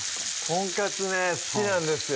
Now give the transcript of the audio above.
とんかつね好きなんですよ